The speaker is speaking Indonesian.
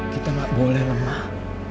kita gak boleh lemah